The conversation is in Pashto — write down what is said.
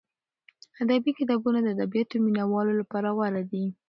ادبي کتابونه د ادبیاتو مینه والو لپاره غوره دي.